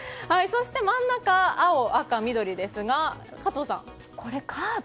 そして真ん中の青、赤、緑ですが加藤さん。